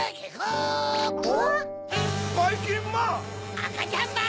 あかちゃんまん！